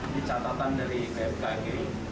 dicatatan dari bfkg